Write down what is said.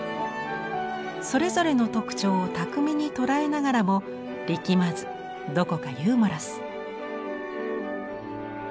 それぞれの特徴を巧みに捉えながらも力まずどこかユーモラス。